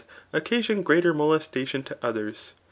occasion greate* molestation to others.